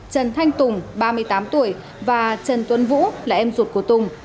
trần thanh tùng ba mươi tám tuổi và trần tuấn vũ là em ruột của tùng